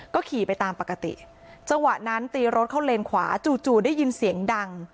ก็ขี่ไปตามปกติจังหวะนั้นตีรถเข้าเลนขวาจู่จู่ได้ยินเสียงดัง